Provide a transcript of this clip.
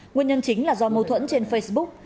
nguyên nhân chính là do mâu thuẫn trên facebook